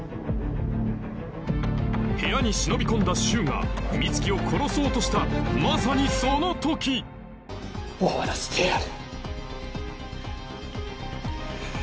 部屋に忍び込んだ柊が美月を殺そうとしたまさにその時終わらせてやる。